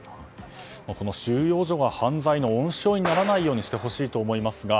収容所が犯罪の温床にならないようにしてほしいと思いますが。